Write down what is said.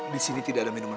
di sini tidak ada minuman